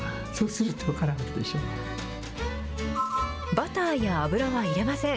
バターや油は入れません。